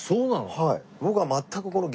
はい。